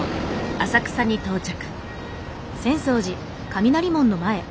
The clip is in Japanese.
浅草に到着。